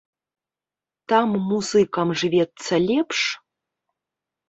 Там музыкам жывецца лепш?